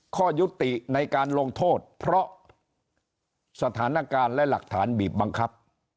ข้อยุติในการลงโทษเพราะสถานการณ์และหลักฐานบีบบังคับ